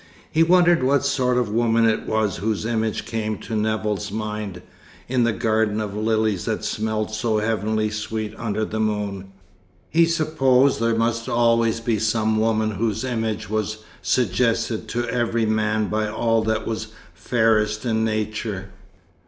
He wondered what sort of woman it was whose image came to Nevill's mind, in the garden of lilies that smelt so heavenly sweet under the moon. He supposed there must always be some woman whose image was suggested to every man by all that was fairest in nature.